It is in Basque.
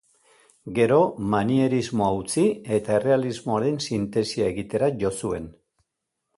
Gero, manierismoa utzi eta errealismoaren sintesia egitera jo zuen.